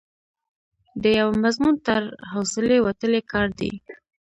د یوه مضمون تر حوصلې وتلی کار دی.